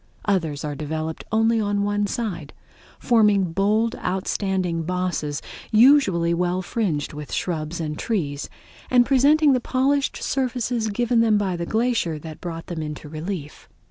Others are developed only on one side, forming bold outstanding bosses usually well fringed with shrubs and trees, and presenting the polished surfaces given them by the glacier that brought them into relief.